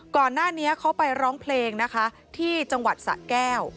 ก่อนหน้านี้เขาไปร้องเพลงนะคะที่จังหวัดสะแก้ว